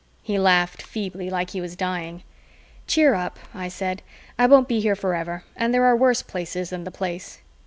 He laughed feebly, like he was dying. "Cheer up," I said. "I won't be here forever, and there are worse places than the Place."